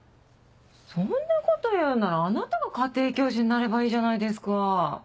そんなこと言うならあなたが家庭教師になればいいじゃないですか。